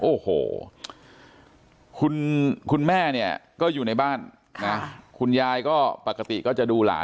โอ้โหคุณแม่เนี่ยก็อยู่ในบ้านนะคุณยายก็ปกติก็จะดูหลาน